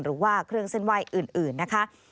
หรือว่าเครื่องเส้นไหว้อื่นนะคะ